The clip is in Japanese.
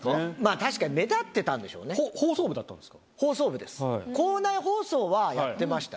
確かに目立ってたんでし放送部だったんですか。